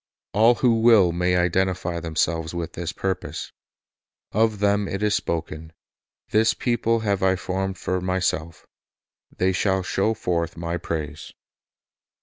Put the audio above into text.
All who will may identify themselves with this purpose. Of them it is spoken, "This people have I formed for Myself; they shall show forth My praise."